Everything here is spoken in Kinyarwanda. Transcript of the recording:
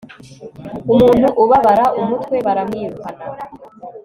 umuntu ubabara umutwe baramwirukana